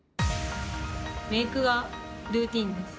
メイクはルーティンです。